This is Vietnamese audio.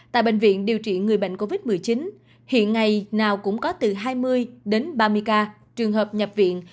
tại bệnh viện điều trị người bệnh covid một mươi chín hiện ngày nào cũng có từ hai mươi đến ba mươi ca trường hợp nhập viện